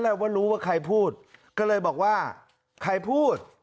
แล้วว่ารู้ว่าใครพูดก็เลยบอกว่าใครพูด